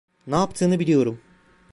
Ne yaptığını biliyorum.